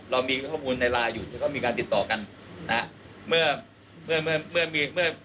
เรามีข้อมูลในรายอยู่เขามีการติดต่อกันนะครับ